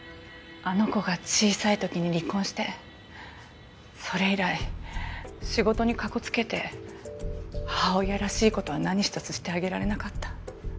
あの子が小さい時に離婚してそれ以来仕事にかこつけて母親らしい事は何一つしてあげられなかった。